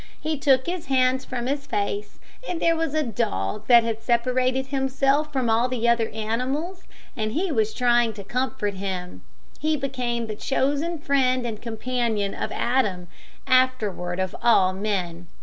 He took his hands from his face, and there was a dog that had separated himself from all the other animals, and was trying to comfort him. He became the chosen friend and companion of Adam, afterward of all men."